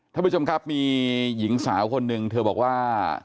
ท่านผู้ชมครับมีหญิงสาวคนหนึ่งเธอบอกว่า